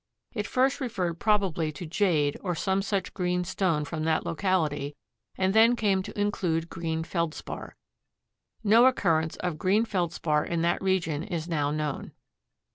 It first referred probably to jade or some such green stone from that locality and then came to include green Feldspar. No occurrence of green Feldspar in that region is now known.